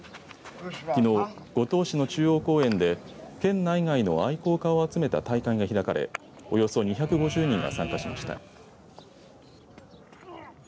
きのう、五島市の中央公園で県内外の愛好家を集めた大会が開かれおよそ２５０人が参加しました。